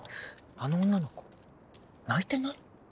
あの女の子泣いてない？